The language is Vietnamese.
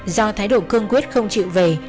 do thái độ cương quyết không chịu về